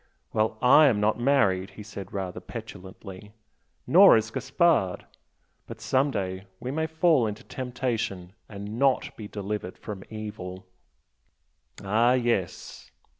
"Well, I am not married" he said, rather petulantly "Nor is Gaspard. But some day we may fall into temptation and NOT be delivered from evil." "Ah yes!"